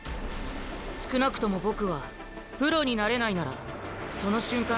少なくとも僕はプロになれないならその瞬間